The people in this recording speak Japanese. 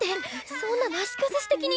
そんななし崩し的に。